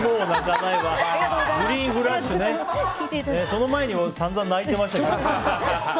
その前に散々、泣いてましたから。